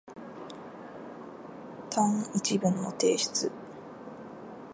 単一文の提出